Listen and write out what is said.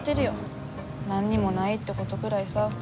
何にもないってことぐらいさ。